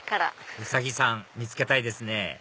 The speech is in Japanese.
ウサギさん見つけたいですね